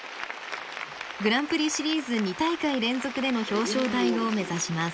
グランプリシリーズ２大会連続での表彰台を目指します。